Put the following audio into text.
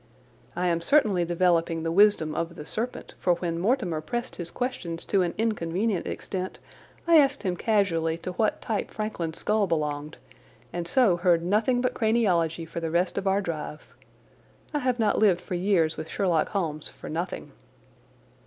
I am certainly developing the wisdom of the serpent, for when Mortimer pressed his questions to an inconvenient extent I asked him casually to what type Frankland's skull belonged, and so heard nothing but craniology for the rest of our drive. I have not lived for years with Sherlock Holmes for nothing.